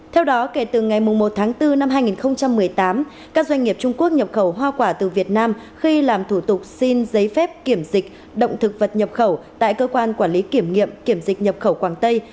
theo đó kể từ ngày một tháng bốn năm hai nghìn một mươi tám các doanh nghiệp trung quốc nhập khẩu hoa quả từ việt nam khi làm thủ tục xin giấy phép kiểm dịch động thực vật nhập khẩu tại cơ quan quản lý kiểm nghiệm kiểm dịch nhập khẩu quảng tây